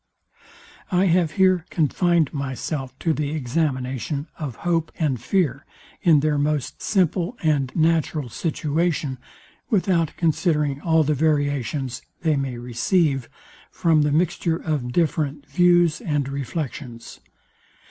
I have here confined myself to the examination of hope and fear in their most simple and natural situation, without considering all the variations they may receive from the mixture of different views and reflections.